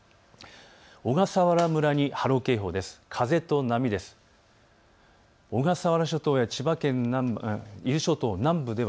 小笠原村に波浪警報です。